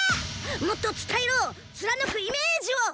もっと伝えろ貫くイメージを！